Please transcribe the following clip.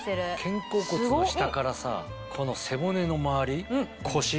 肩甲骨の下からさこの背骨の周り腰。